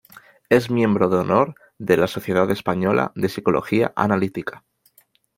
Es miembro de honor de la Sociedad Española de Psicología Analítica.